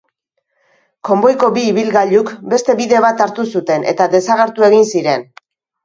Konboiko bi ibilgailuk beste bide bat hartu zuten eta desagertu egin ziren.